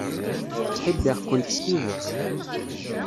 Ttḥibbiɣ-kent s tidet.